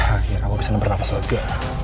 akhirnya kamu bisa bernafas lega